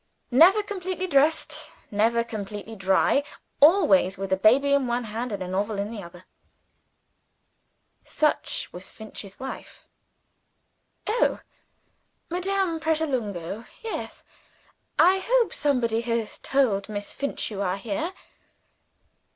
Never completely dressed; never completely dry; always with a baby in one hand and a novel in the other such was Finch's wife. "Oh! Madame Pratolungo? Yes. I hope somebody has told Miss Finch you are here.